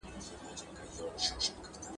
څه مور لنگه، څه ترور لنگه.